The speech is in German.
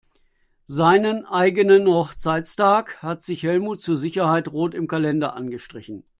Seinen eigenen Hochzeitstag hat sich Helmut zur Sicherheit rot im Kalender angestrichen.